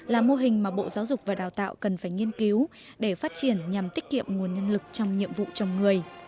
là mô hình mà bộ giáo dục và đào tạo cần phải nghiên cứu để phát triển nhằm tiết kiệm nguồn nhân lực trong nhiệm vụ chồng người